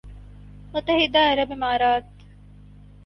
متحدہ عرب امارات